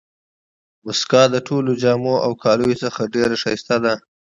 مسکا د ټولو جامو او کالیو څخه ډېره ښایسته ده.